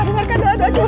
alhamdulillah ya allah